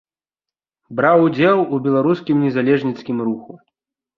Браў удзел у беларускім незалежніцкім руху.